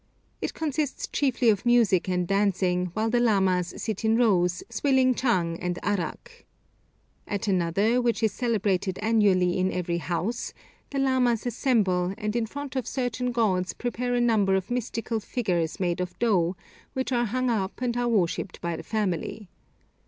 It consists chiefly of music and dancing, while the lamas sit in rows, swilling chang and arrack. At another, which is celebrated annually in every house, the lamas assemble, and in front of certain gods prepare a number of mystical figures made of dough, which are hung up and are worshipped by the family.